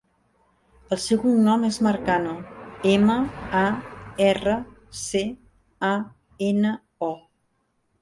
El seu cognom és Marcano: ema, a, erra, ce, a, ena, o.